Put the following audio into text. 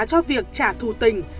cho việc trả thù tình